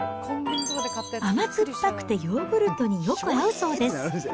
甘酸っぱくて、ヨーグルトによく合うそうです。